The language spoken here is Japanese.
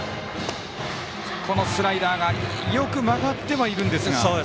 このスライダーがよく曲がって入るんですが。